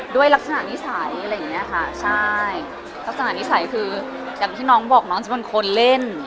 ด้วยลักษณะนิสัยอะไรอย่างเงี้ยค่ะใช่ลักษณะนิสัยคืออย่างที่น้องบอกน้องจะเป็นคนเล่น